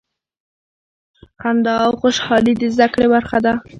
خندا او خوشحالي د زده کړې برخه ده.